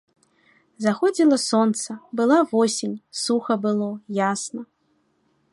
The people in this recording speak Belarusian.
Заходзіла сонца, была восень, суха было, ясна.